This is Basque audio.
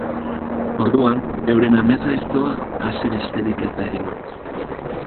Orduan euren amesgaiztoa hasi besterik ez da egingo...